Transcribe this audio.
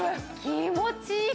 気持ちいい！